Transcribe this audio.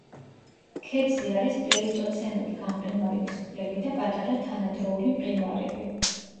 ქედზე არის პლეისტოცენური გამყინვარების კვლები და პატარა თანადროული მყინვარები.